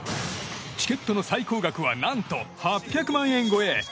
チケットの最高額は何と８００万円超え。